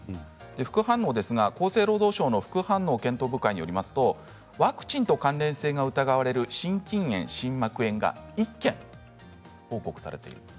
副反応ですが厚生労働省の副反応検討部会によりますとワクチンと関連性が疑われる心筋炎、心膜炎が１件報告されている。